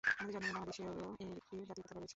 আমাদের জন্মভূমি বাংলাদেশেরও একটি জাতীয় পতাকা রয়েছে।